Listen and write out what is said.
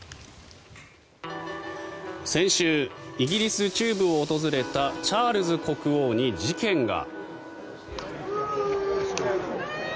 先週イギリス中部を訪れたチャールズ国王に事件が。